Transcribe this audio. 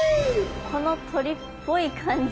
この鳥っぽい感じは。